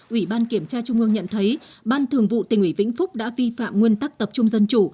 ủy ban kiểm tra trung ương nhận thấy ban thường vụ tỉnh ủy vĩnh phúc đã vi phạm nguyên tắc tập trung dân chủ